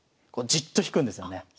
じっと引くんですよね。